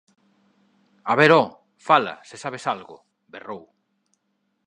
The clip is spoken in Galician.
—A ver, ho, fala, se sabes algo! —berrou.